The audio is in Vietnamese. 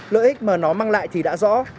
lợi ích mà nó mang lại thì đã rõ